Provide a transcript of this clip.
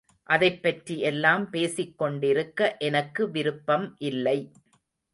அதைப்பற்றி எல்லாம் பேசிக் கொண்டிருக்க எனக்கு விருப்பம் இல்லை.